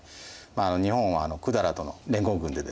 日本は百済との連合軍でですね